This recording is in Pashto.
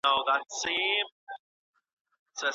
ولي مدام هڅاند د تکړه سړي په پرتله موخي ترلاسه کوي؟